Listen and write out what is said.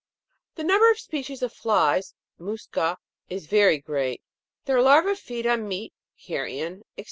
The number of species of flies (Musca) is very great. Their larvae feed on meat, carrion, &c.